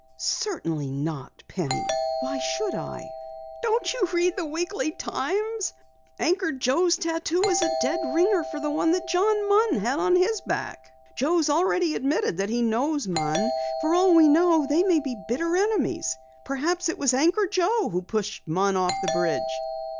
"Certainly not, Penny. Why should I?" "Don't you read the Weekly Times? Anchor Joe's tattoo is a dead ringer for the one John Munn had on his back. Joe's already admitted that he knows Munn. For all we know they may be bitter enemies. Perhaps it was Anchor Joe who pushed Munn off the bridge!"